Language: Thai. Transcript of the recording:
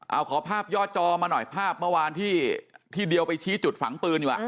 เอาขอภาพย่อจอมาหน่อยภาพเมื่อวานที่เดียวไปชี้จุดฝังปืนดีกว่า